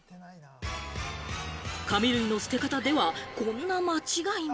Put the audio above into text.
紙類の捨て方では、こんな間違いも。